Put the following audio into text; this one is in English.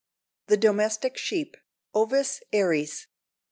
] THE DOMESTIC SHEEP. (_Ovis aries.